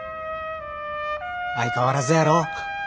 相変わらずやろ？